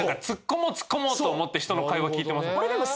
つっこもうつっこもうと思って人の会話聞いてますもんね。